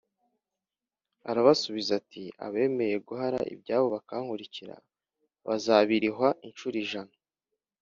Arabasubiza ati abemeye guhara ibyabo bakankurikira bazabirihwa incuro ijana